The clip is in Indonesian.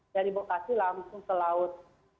dari bekasi langsung ke laut